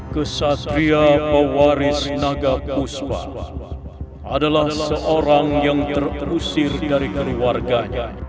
kesatria pewaris naga puspa adalah seorang yang terusir dari keluarganya